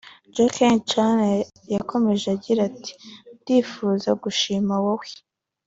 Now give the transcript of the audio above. Jackie Chan yakomeje agira ati “ Ndifuza gushimira wowe